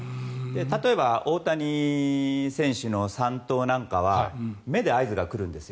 例えば大谷選手の三盗なんかは目で合図が来るんです。